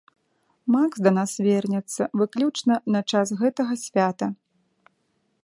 Макс да нас вернецца выключна на час гэтага свята.